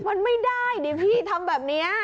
มันไม่ได้ดิพี่ทำแบบนี้